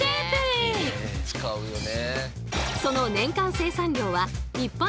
使うよね。